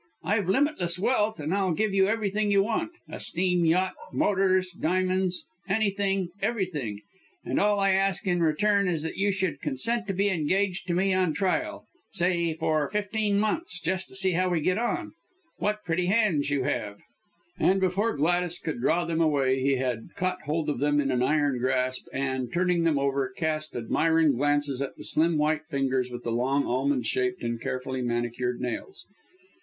I've limitless wealth and I'll give you everything you want a steam yacht, motors, diamonds, anything, everything, and all I ask in return is that you should consent to be engaged to me on trial say for fifteen months just to see how we get on! What pretty hands you have." And before Gladys could draw them away, he had caught hold of them in an iron grasp, and, turning them over, cast admiring glances at the slim, white fingers with the long, almond shaped and carefully manicured nails.